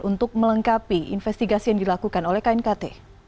untuk melengkapi investigasi yang dilakukan oleh knkt